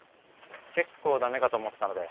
結構ダメかと思ってたので。